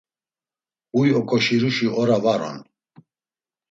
“Huy oǩoşiruşi ora var on.”